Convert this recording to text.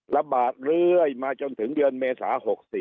ระบาดเรื่อยมาจนถึงเดือนเมษา๖๔